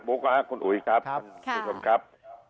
บุคคลคุณอุ๋ยครับคุณผู้ชมครับ